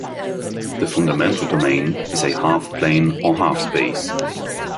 The fundamental domain is a half-plane or half-space.